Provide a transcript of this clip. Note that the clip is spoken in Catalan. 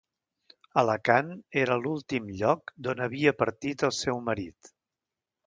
Alacant era l’últim lloc d’on havia partit el seu marit.